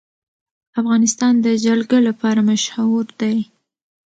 افغانستان د جلګه لپاره مشهور دی.